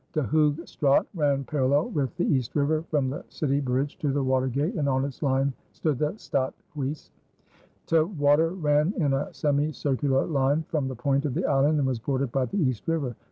De Hoogh Straat ran parallel with the East River from the city bridge to the water gate and on its line stood the Stadt Huys. 'T Water ran in a semi circular line from the point of the island and was bordered by the East River.